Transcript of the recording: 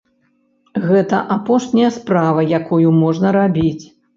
Гэта апошняя справа, якую можна рабіць.